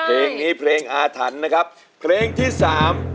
เพลงนี้เพลงอาถรรพ์นะครับเพลงที่สาม